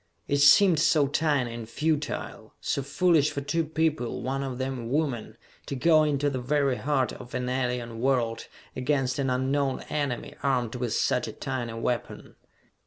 It seemed so tiny and futile so foolish for two people, one of them a woman to go into the very heart of an alien world, against an unknown enemy, armed with such a tiny weapon.